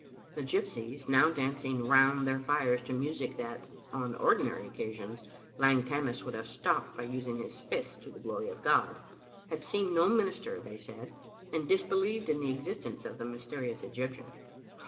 The gypsies, now dancing round their fires to music that, on ordinary occasions, Lang Tammas would have stopped by using his fists to the glory of God, had seen no minister, they said, and disbelieved in the existence of the mysterious Egyptian.